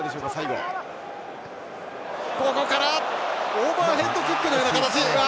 オーバーヘッドキックのような形。